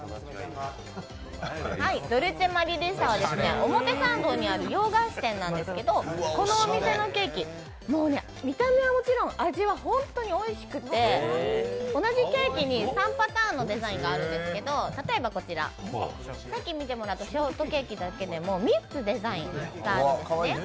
ドルチェマリリッサは表参道にある洋菓子店なんですけどこのお店のケーキ、もう見た目はもちろん、味は本当においしくて同じケーキに３パターンのデザインがあるんですけど、例えばこちら、さっき見てもらったショートケーキだけでも３つデザインがあるんですね。